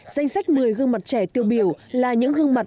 danh sách một mươi gương mặt trẻ tiêu biểu là những gương mặt